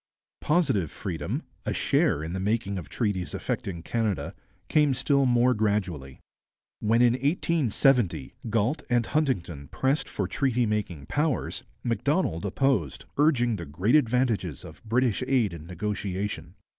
Positive freedom, a share in the making of treaties affecting Canada, came still more gradually. When in 1870 Galt and Huntington pressed for treaty making powers, Macdonald opposed, urging the great advantages of British aid in negotiation.